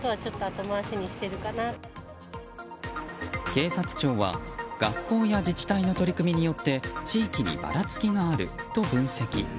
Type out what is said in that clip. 警察庁は学校や自治体の取り組みによって地域にばらつきがあると分析。